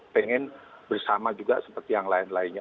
pengen bersama juga seperti yang lain lainnya